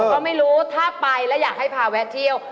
ก็ไม่รู้ถ้าไปแล้วอยากให้พาแวะเที่ยว